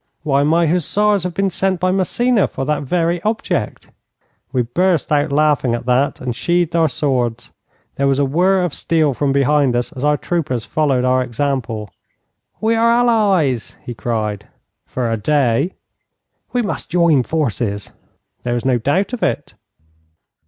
'Why, my hussars have been sent by Massena for that very object.' We burst out laughing at that, and sheathed our swords. There was a whirr of steel from behind us as our troopers followed our example. 'We are allies!' he cried. 'For a day.' 'We must join forces.' 'There is no doubt of it.'